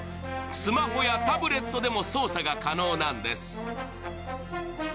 スマホやタブレットでも操作が可能なんです。